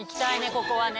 ここはね。